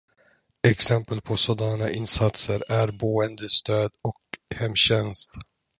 Exempel på sådana insatser är boendestöd och hemtjänst.